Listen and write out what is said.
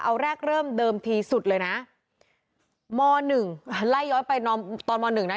เอาแรกเริ่มเดิมที่สุดเลยนะม๑เล่าย้อยไปตอนม๑นะ